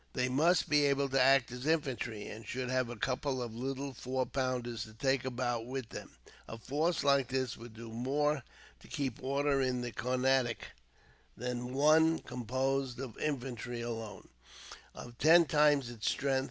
They must be able to act as infantry, and should have a couple of little four pounders to take about with them. A force like this would do more to keep order in the Carnatic than one composed of infantry, alone, of ten times its strength.